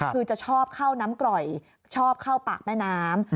คือจะชอบเข้าน้ำกร่อยชอบเข้าปากแม่น้ำ